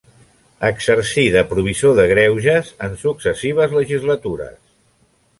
Exercí de provisor de greuges en successives legislatures.